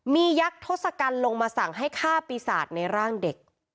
มียักษ์ทศกัณฐ์ลงมาสั่งให้ฆ่าปีศาจในร่างเด็ก